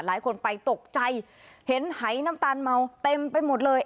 หลายคนไปตกใจเห็นหายน้ำตาลเมาเต็มไปหมดเลย